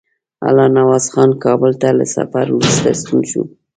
الله نواز خان کابل ته له سفر وروسته ستون شو.